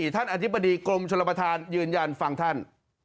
ท่านอธิบดีกรมชนบทยืนยันฟังท่าน